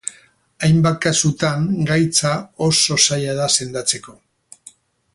Hainbat kasutan gaitza oso zaila da sendatzeko.